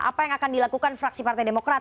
apa yang akan dilakukan fraksi partai demokrat